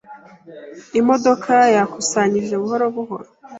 Imodoka yakusanyije buhoro buhoro.